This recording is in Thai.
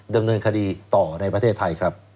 ดำเนินคดีต่อในประเทศไทยครับ